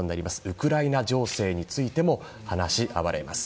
ウクライナ情勢についても話し合われます。